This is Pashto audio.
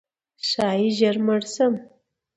ښایي ژر مړ شم؛